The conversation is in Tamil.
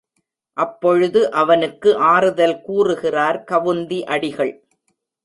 அப்பொழுது அவனுக்கு ஆறுதல் கூறுகிறார் கவுந்தி அடிகள்.